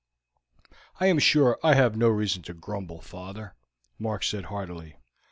"I am sure I have no reason to grumble, father," Mark said heartily.